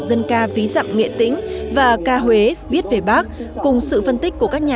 dân ca ví dặm nghệ tĩnh và ca huế biết về bác cùng sự phân tích của các nhà